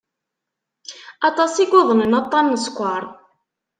Aṭas i yuḍnen aṭṭan n sskeṛ.